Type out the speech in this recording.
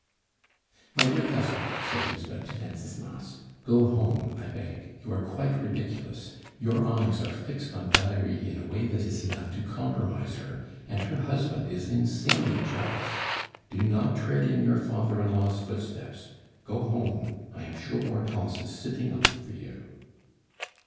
"My dear cousin," said Lisbeth to Wenceslas, "go home, I beg. You are quite ridiculous. Your eyes are fixed on Valerie in a way that is enough to compromise her, and her husband is insanely jealous. Do not tread in your father in law's footsteps. Go home; I am sure Hortense is sitting up for you."